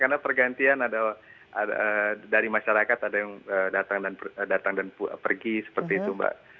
karena pergantian dari masyarakat ada yang datang dan pergi seperti itu mbak